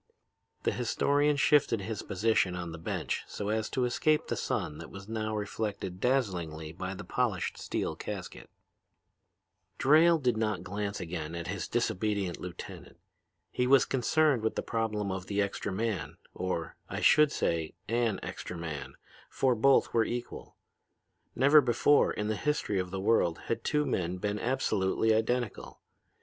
The historian shifted his position on the bench so as to escape the sun that was now reflected dazzlingly by the polished steel casket. "Drayle did not glance again at his disobedient lieutenant. He was concerned with the problem of the extra man, or, I should say, an extra man, for both were equal. Never before in the history of the world had two men been absolutely identical.